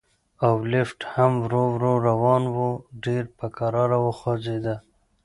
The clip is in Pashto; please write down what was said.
او لفټ هم ورو ورو روان و، ډېر په کراره خوځېده.